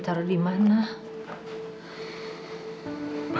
gak ada apa apa